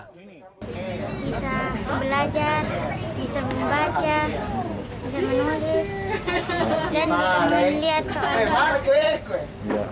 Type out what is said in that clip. bisa belajar bisa membaca bisa menulis dan bisa melihat